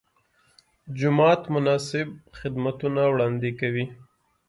جومات مناسب خدمتونه وړاندې کړي.